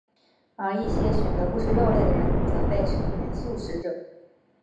而一些选择不吃肉类的人则被称为素食者。